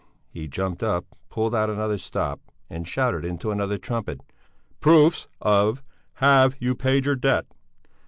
He jumped up, pulled out another stop and shouted into another trumpet: "Proofs of 'Have you paid your Debt?'"